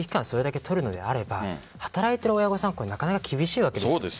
それだけ取るのであれば働いてる親御さんは厳しいわけです。